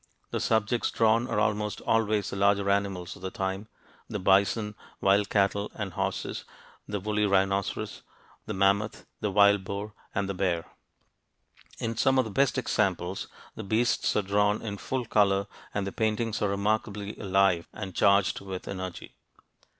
The subjects drawn are almost always the larger animals of the time: the bison, wild cattle and horses, the wooly rhinoceros, the mammoth, the wild boar, and the bear. In some of the best examples, the beasts are drawn in full color and the paintings are remarkably alive and charged with energy.